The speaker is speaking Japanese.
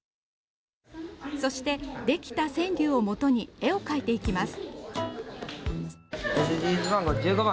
そして、できた川柳を基に絵を描いていきます。